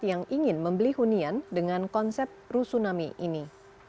yang ingin membeli hunian dengan konsep rusunami ini